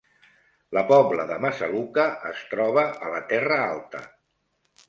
La Pobla de Massaluca es troba a la Terra Alta